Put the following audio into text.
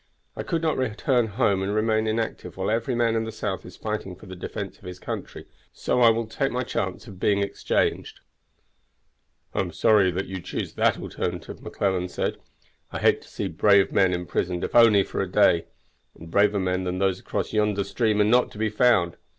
"I could not return home and remain inactive while every man in the South is fighting for the defense of his country, so I will take my chance of being exchanged." "I am sorry you choose that alternative," McClellan said. "I hate to see brave men imprisoned if only for a day; and braver men than those across yonder stream are not to be found.